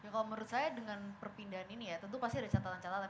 kalau menurut saya dengan perpindahan ini ya tentu pasti ada catatan catatan